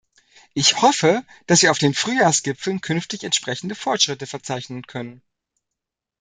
Ich hoffe, dass wir auf den Frühjahrsgipfeln künftig entsprechende Fortschritte verzeichnen können.